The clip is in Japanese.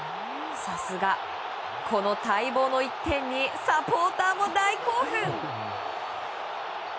さすが、この待望の１点にサポーターも大興奮！